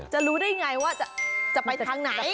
รู้ได้ไงว่าจะไปทางไหน